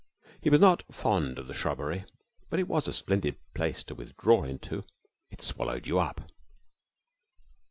He was not fond of the shrubbery, but it was a splendid place to withdraw into. It swallowed you up.